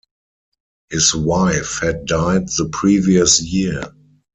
His wife had died the previous year.